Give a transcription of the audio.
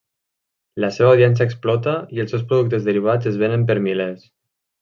La seva audiència explota i els seus productes derivats es venen per milers.